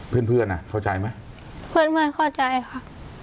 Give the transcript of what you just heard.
เพื่อนเพื่อนอ่ะเข้าใจไหมเพื่อนเพื่อนเข้าใจค่ะ